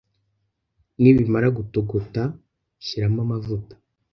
nibimara gutogota shyiramo amavuta,